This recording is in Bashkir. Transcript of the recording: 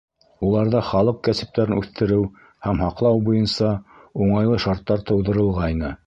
Уларҙа халыҡ кәсептәрен үҫтереү һәм һаҡлау буйынса уңайлы шарттар тыуҙырылғайны.